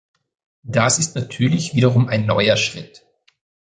Das ist natürlich wiederum ein neuer Schritt.